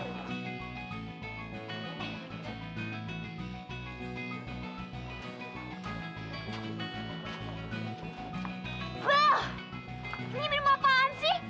ini minum apaan sih